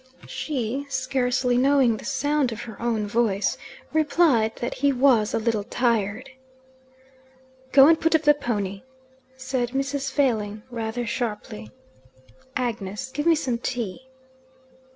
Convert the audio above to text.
She, scarcely knowing the sound of her own voice, replied that he was a little tired. "Go and put up the pony," said Mrs. Failing rather sharply. "Agnes, give me some tea."